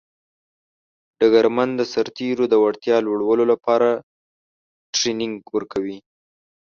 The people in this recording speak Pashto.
ډګرمن د سرتیرو د وړتیا لوړولو لپاره ټرینینګ ورکوي.